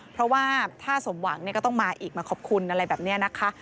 เพราะว่าถ้าสมหวังก็ต้องมาอีกมาขอบคุณอะไรแบบนี้นะคะ